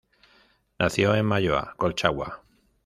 Nació en Malloa, Colchagua.